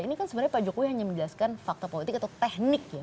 ini kan sebenarnya pak jokowi hanya menjelaskan fakta politik atau teknik ya